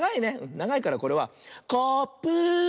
ながいからこれはコーップー。